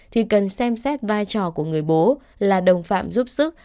thì cần xem xét vai trò của người bố là đồng phạm giúp sức